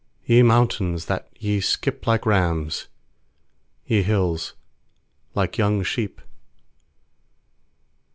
6Ye mountains, that ye skip like rams , Ye hills, like young sheep?